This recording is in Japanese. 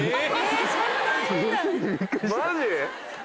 マジ？